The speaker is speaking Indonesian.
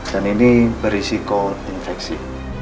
dan ini berisiko infeksi